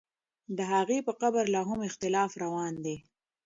د هغې په قبر لا هم اختلاف روان دی.